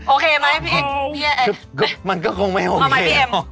โอเคไหมพี่มันก็คงไม่โอเค